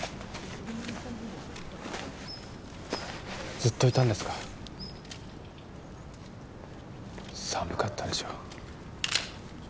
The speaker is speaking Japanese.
ずっといたんですか寒かったでしょう